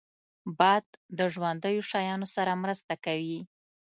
باد د ژوندیو شیانو سره مرسته کوي